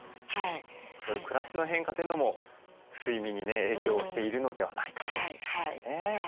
そういう暮らしの変化というのも睡眠にね影響をしているのではないかということですね。